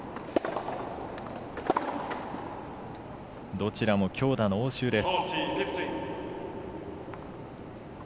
どちらも強打の応酬です。